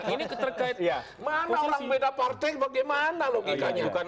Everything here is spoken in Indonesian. ini terkait mana orang beda partai bagaimana logikanya